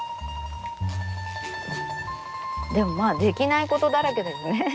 でもまあできないことだらけだよね。